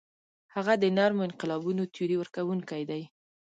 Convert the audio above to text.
هغه د نرمو انقلابونو تیوري ورکوونکی دی.